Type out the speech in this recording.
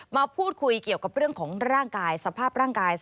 มาพูดคุยเกี่ยวกับเรื่องของร่างกายสภาพร่างกาย